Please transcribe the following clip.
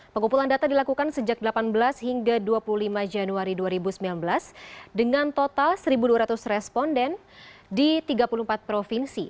pengumpulan data dilakukan sejak delapan belas hingga dua puluh lima januari dua ribu sembilan belas dengan total satu dua ratus responden di tiga puluh empat provinsi